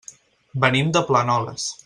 Venim de Planoles.